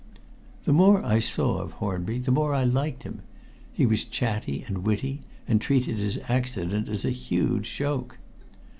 The more I saw of Hornby, the more I liked him. He was chatty and witty, and treated his accident as a huge joke.